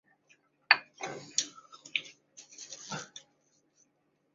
本游戏也是阿历克斯小子系列第一作。